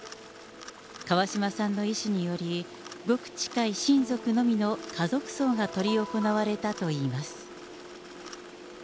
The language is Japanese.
川嶋さんの遺志により、ごく近い親族のみの家族葬が執り行われたといいます。